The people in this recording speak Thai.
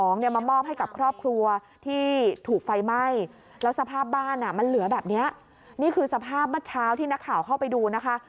นี่คือสภาพเมื่อเช้าที่นักข่าวเข้าไปดูนะคะ